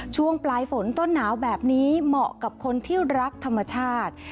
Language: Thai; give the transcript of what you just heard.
ช่วงปลายฝนต้นหนาวแบบนี้เหมาะกับคนที่รักธรรมชาติ